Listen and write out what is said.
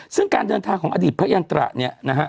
ซึ่งการเดินทางของอดีตพระยันตระเนี่ยนะฮะ